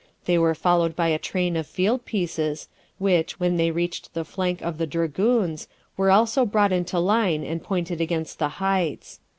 They were followed by a train of field pieces, which, when they reached the flank of the dragoons, were also brought into line and pointed against the heights.